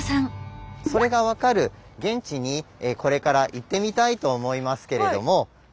それが分かる現地にこれから行ってみたいと思いますけれども。